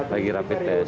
lagi rapi tes